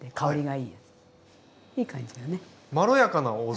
いい感じだね。